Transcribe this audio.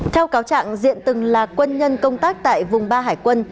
theo cáo trạng diện từng là quân nhân công tác tại vùng ba hải quân